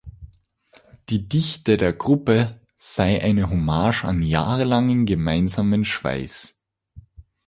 Die Dichte der Gruppe sei eine Hommage an jahrelangen gemeinsamen Schweiß.